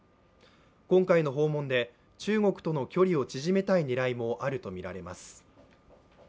今回の訪問で中国との距離を縮めたい狙いもあるとみられます。